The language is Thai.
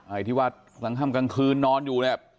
ไอ้ที่วัดหลังห้ามกลางคืนนอนอยู่เนี่ย